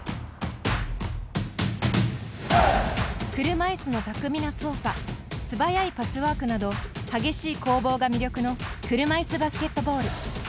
車いすの巧みな操作素早いパスワークなど激しい攻防が魅力の車いすバスケットボール。